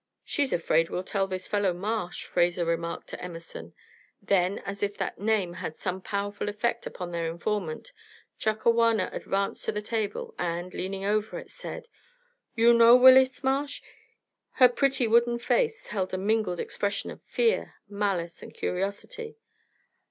"She's afraid we'll tell this fellow Marsh," Fraser remarked to Emerson; then, as if that name had some powerful effect upon their informant, Chakawana advanced to the table, and, leaning over it, said: "You know Willis Marsh?" Her pretty wooden face held a mingled expression of fear, malice, and curiosity.